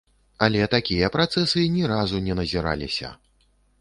Але такія працэсы ні разу не назіраліся.